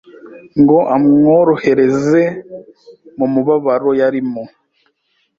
ngo amworohereze mu mubabaro yarimo.